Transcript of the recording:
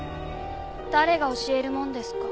誰が教えるもんですか。